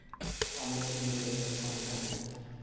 আমে চিনির পরিমাণ কম থাকে।